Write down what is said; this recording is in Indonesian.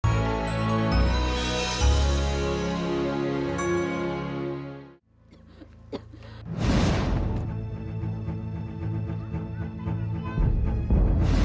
jangan lupa like share dan subscribe channel ini untuk dapat info terbaru